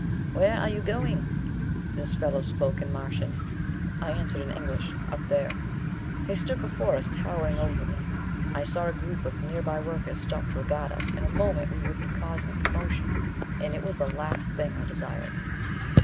"Where are you going?" This fellow spoke in Martian. I answered in English, "Up there." He stood before us, towering over me. I saw a group of nearby workers stop to regard us. In a moment we would be causing a commotion, and it was the last thing I desired.